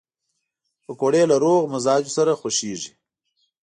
پکورې له روغ مزاجو سره خوښېږي